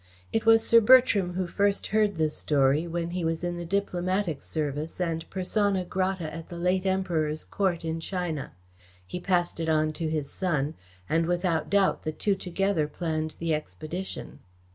It was Sir Bertram who first heard the story when he was in the Diplomatic Service and persona grata at the late Emperor's Court in China. He passed it on to his son, and without doubt the two together planned the expedition."